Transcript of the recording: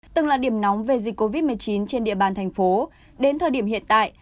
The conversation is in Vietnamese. từng là điểm nóng về dịch covid một mươi chín trên địa bàn thành phố đến thời điểm hiện tại